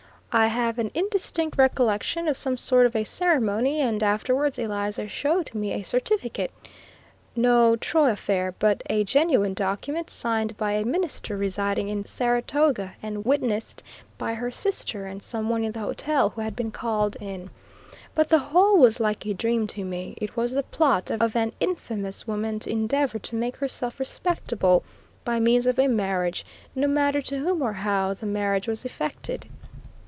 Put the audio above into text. I have an indistinct recollection of some sort of a ceremony, and afterwards Eliza showed me a certificate no Troy affair, but a genuine document signed by a minister residing in Saratoga, and witnessed by her sister and some one in the hotel who had been called in. But the whole was like a dream to me; it was the plot of an infamous woman to endeavor to make herself respectable by means of a marriage, no matter to whom or how that marriage was effected.